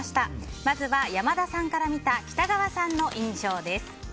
まずは山田さんからみた北川さんの印象です。